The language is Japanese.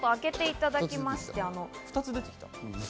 ２つ出てきた。